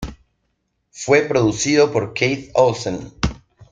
Fue producido por Keith Olsen.